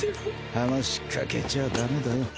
話しかけちゃあ駄目だよ。